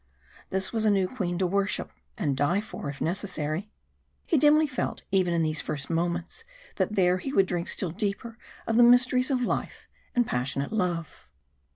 This was a new queen to worship and die for, if necessary. He dimly felt, even in these first moments, that here he would drink still deeper of the mysteries of life and passionate love.